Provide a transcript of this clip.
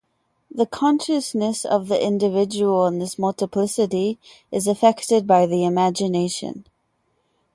The consciousness of the individual in this multiplicity is effected by the imagination.